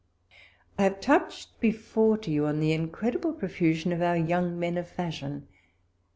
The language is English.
I have touched before to you on the incredible profusion of our young men of fashion.